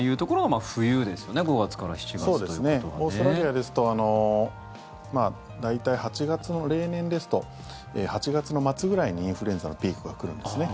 オーストラリアですと大体、例年ですと８月の末くらいにインフルエンザのピークが来るんですね。